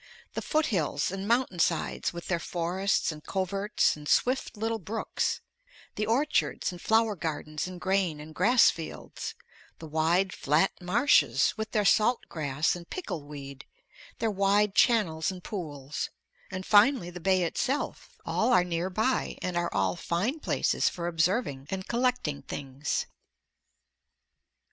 The foothills and mountain sides with their forests and coverts and swift little brooks; the orchards and flower gardens and grain and grass fields; the wide flat marshes with their salt grass and pickle weed, their wide channels and pools, and finally the bay itself; all are near by and all are fine places for observing and collecting things.